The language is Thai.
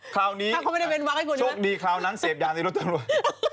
คราวนี้โชคดีคราวนั้นเสพยาในรถตำรวจ